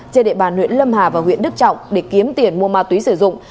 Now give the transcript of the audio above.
trên địa bàn huyện lâm hà và huyện đức trọng để kiếm tiền mua ma túy sử dụng